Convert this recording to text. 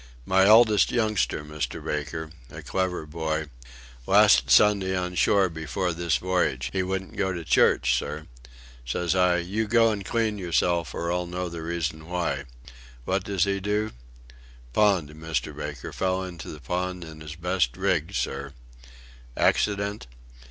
My eldest youngster, Mr. Baker... a clever boy... last Sunday on shore before this voyage he wouldn't go to church, sir. Says I, 'You go and clean yourself, or I'll know the reason why!' What does he do?... Pond, Mr. Baker fell into the pond in his best rig, sir!... Accident?...